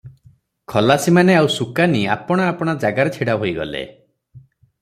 ଖଲାସିମାନେ ଆଉ ସୁକାନି ଆପଣା ଆପଣା ଜାଗାରେ ଛିଡ଼ା ହୋଇଗଲେ ।